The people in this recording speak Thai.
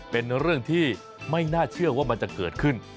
เป็นเรื่องที่ไม่น่าเชื่อว่ามันจะเกิดขึ้น